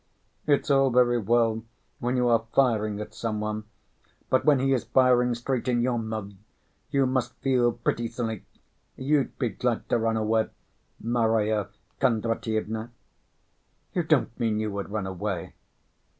"It's all very well when you are firing at some one, but when he is firing straight in your mug, you must feel pretty silly. You'd be glad to run away, Marya Kondratyevna." "You don't mean you would run away?"